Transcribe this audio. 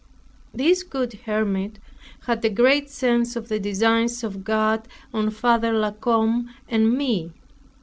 This good hermit had a great sense of the designs of God on Father La Combe and me.